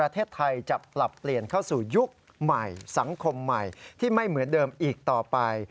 ที่ไม่เหมือนเดิมอีกต่อไป